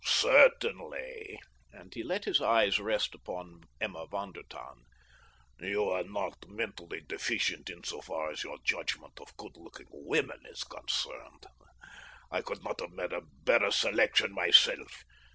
"Certainly," and he let his eyes rest upon Emma von der Tann, "you are not mentally deficient in so far as your judgment of a good looking woman is concerned. I could not have made a better selection myself.